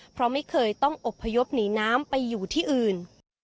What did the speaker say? เพราะไม่เคยต้องอบพยพหนีน้ำไปอยู่ที่อื่น